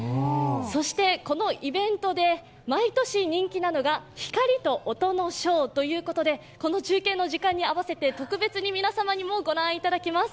そして、このイベントで毎年人気なのが光と音のショーということで、この中継の時間に合わせて、特別に皆様にもご覧いただきます。